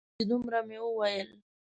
یوازې دومره مې وویل.